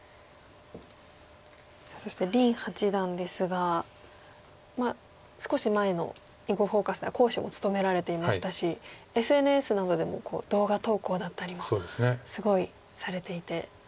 そして林八段ですが少し前の「囲碁フォーカス」では講師を務められていましたしＳＮＳなどでも動画投稿だったりもすごいされていて。